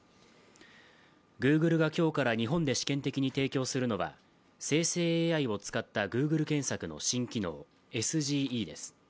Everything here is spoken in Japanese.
グーグルが今日から日本で試験的に提供するのは生成ＡＩを使ったグーグル検索の機能、ＳＧＥです。